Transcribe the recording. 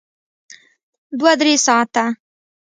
دوه تر درې ساعته